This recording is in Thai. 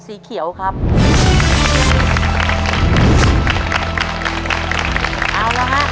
ต้นไม้ประจำจังหวัดระยองการครับ